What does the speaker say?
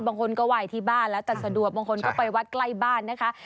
บางคนก็ไหว้ที่บ้านแล้วแต่สะดวกบางคนก็ไปวัดใกล้บ้านนะคะ